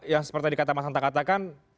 yang seperti dikata mas hanta katakan